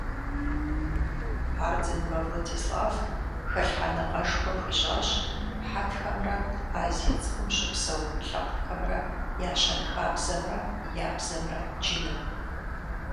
Ардзинбэ Владислав хэлъхьэныгъэшхуэ хуищӀащ хьэтхэмрэ Азие ЦӀыкӀум щыпсэу лъэпкъхэмрэ я щэнхабзэмрэ я бзэмрэ джыным.